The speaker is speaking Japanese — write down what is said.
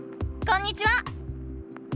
こんにちは！